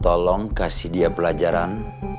tolong kasih dia pelajaran